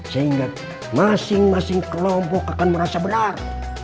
sehingga masing masing kelompok akan merasa benar